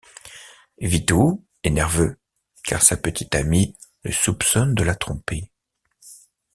Vitoo est nerveux car sa petite amie le soupçonne de la tromper.